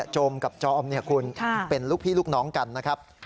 โจมกับจอมเนี่ยคุณเป็นลูกพี่ลูกน้องกันนะครับ